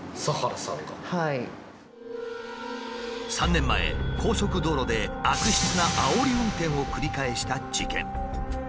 ３年前高速道路で悪質なあおり運転を繰り返した事件。